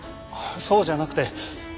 そうじゃなくて。